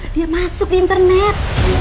dia masuk internet